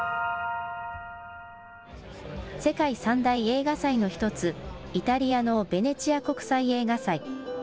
世界３大映画祭の１つ、イタリアのベネチア国際映画祭。